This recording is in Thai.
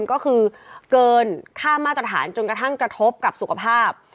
ก็คือเกินค่ามาตรฐานจนกระทั่งกระทบกับสุขภาพ